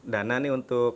dana nih untuk